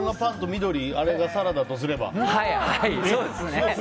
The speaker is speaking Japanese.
緑がサラダとすれば。